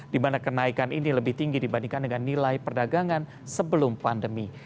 di mana kenaikan ini lebih tinggi dibandingkan dengan nilai perdagangan sebelum pandemi